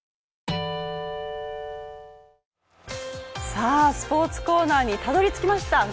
さぁ、スポーツコーナーにたどりつきました。